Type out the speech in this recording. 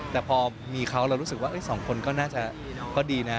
แต่พอมีเขาเรารู้สึกว่าสองคนก็น่าจะดีนะ